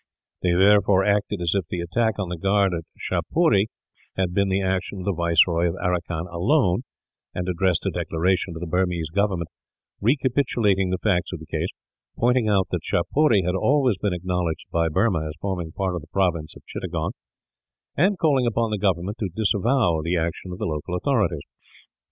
They therefore acted as if the attack on the guard at Shapuree had been the action of the Viceroy of Aracan alone, and addressed a declaration to the Burmese government, recapitulating the facts of the case, pointing out that Shapuree had always been acknowledged by Burma as forming part of the province of Chittagong, and calling upon the government to disavow the action of the local authorities.